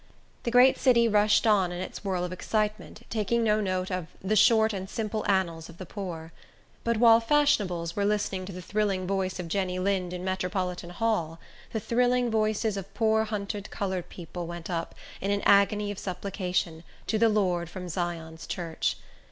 The great city rushed on in its whirl of excitement, taking no note of the "short and simple annals of the poor." But while fashionables were listening to the thrilling voice of Jenny Lind in Metropolitan Hall, the thrilling voices of poor hunted colored people went up, in an agony of supplication, to the Lord, from Zion's church.